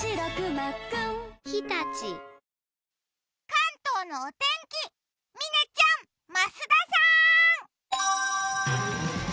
関東のお天気、嶺ちゃん、増田さーん。